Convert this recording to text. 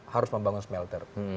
harus membangun smelter